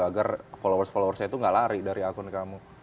agar followers followersnya itu gak lari dari akun kamu